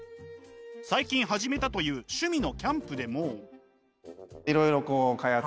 最近始めたという趣味のキャンプでも。